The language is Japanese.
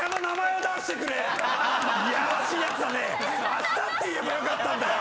明日って言えばよかったんだよ！